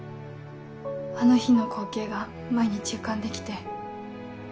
あの日の光景が毎日浮かんで来て。